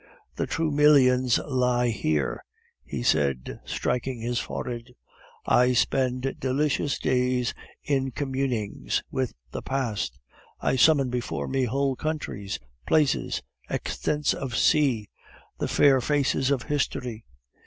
The true millions lie here," he said, striking his forehead. "I spend delicious days in communings with the past; I summon before me whole countries, places, extents of sea, the fair faces of history.